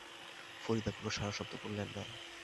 ফরিদা কোনো সাড়াশব্দ করলেন না।